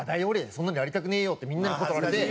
「そんなのやりたくねえよ」ってみんなに断られて。